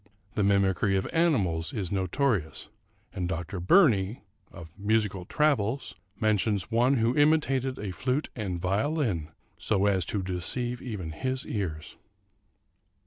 The mimicry of animals is notorious; and Dr. Burney ("Musical Travels") mentions one who imitated a flute and violin, so as to deceive even his ears.